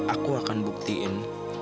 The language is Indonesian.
aku akan buktiin